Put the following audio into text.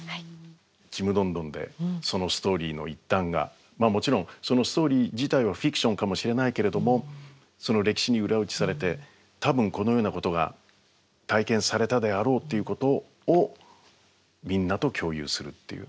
「ちむどんどん」でそのストーリーの一端がもちろんそのストーリー自体はフィクションかもしれないけれどもその歴史に裏打ちされて多分このようなことが体験されたであろうということをみんなと共有するっていう。